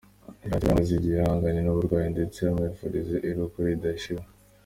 Yanditse ko yari amaze igihe ahanganye n’uburwayi ndetse amwifuriza iruhuko ridashira.